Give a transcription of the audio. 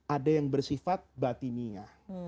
ada yang bersifat batinia